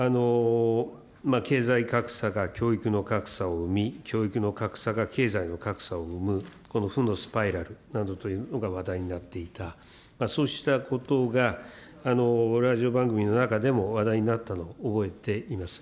経済格差が教育の格差を生み、教育の格差が経済の格差を生む、この負のスパイラルなどというのが話題になっていた、そうしたことがラジオ番組の中でも話題になったのを覚えています。